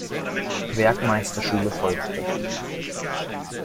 Werkmeisterschule folgte.